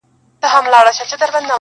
مور لږ هوش ته راځي خو لا هم کمزورې ده